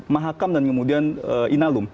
mahakam dan kemudian inalum